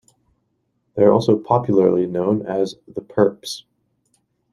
They are also popularly known as the "Perps".